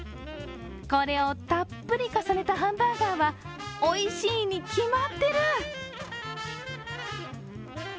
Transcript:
これをたっぷり重ねたハンバーガーは、おいしいに決まってる！